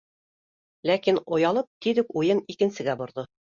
Ләкин, оялып, тиҙ үк уйын икенсегә борҙо: